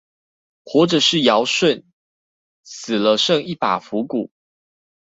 活著是堯舜，死了剩一把腐骨